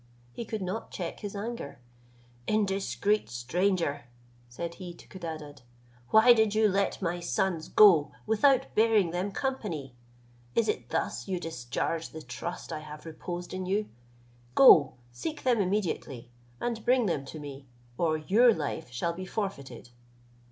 He could not check his anger: "Indiscreet stranger," said he to Codadad, "why did you let my sons go without bearing them company? Is it thus you discharge the trust I have reposed in you? Go, seek them immediately, and bring them to me, or your life shall be forfeited."